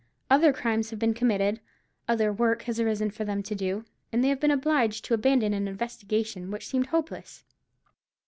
Other crimes have been committed, other work has arisen for them to do, and they have been obliged to abandon an investigation which seemed hopeless.